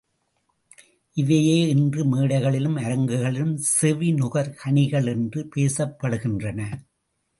இவையே இன்று மேடைகளிலும் அரங்குகளிலும் செவி நுகர் கணிகள் என்று பேசப்படுகின்றன.